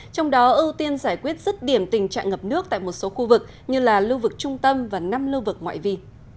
trong đó ưu tiên giải quyết rứt điểm tình trạng ngập nước tại một số khu vực như là lưu vực trung tâm và năm lưu vực ngoại vi